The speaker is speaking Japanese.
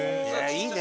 いいね！